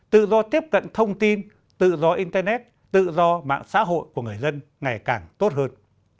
tự do tiếp cận thông tin tự do internet tự do mạng xã hội của người dân ngày càng tốt hơn